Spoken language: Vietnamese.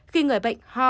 khi người bệnh ho